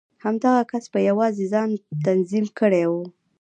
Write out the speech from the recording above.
همدغه کس په يوازې ځان تنظيم کړی و.